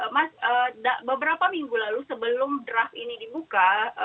mas beberapa minggu lalu sebelum draft ini dibuka